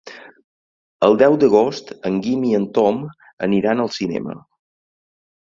El deu d'agost en Guim i en Tom aniran al cinema.